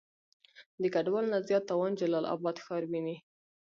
د ګډوالو نه زيات تاوان جلال آباد ښار وينئ.